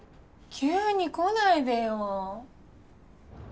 急に来ないでよ。